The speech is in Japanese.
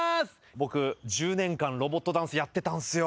僕、１０年間ロボットダンスやってたんですよ。